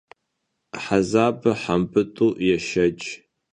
Hezabır hembıt'u yêşşeç.